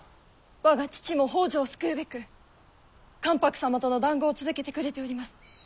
我が父も北条を救うべく関白様との談合を続けてくれております。